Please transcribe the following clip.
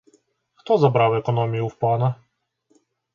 Хто забрав економію в пана?